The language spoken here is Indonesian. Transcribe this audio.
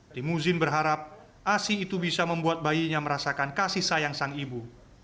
timu zin berharap ac itu bisa membuat bayinya merasakan kasih sayang sang ibu